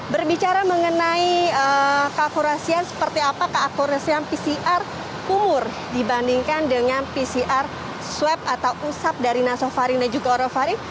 berbicara mengenai keakurasian seperti apa keakurasian pcr umur dibandingkan dengan pcr swab atau usap dari nasofaring dan juga orovaring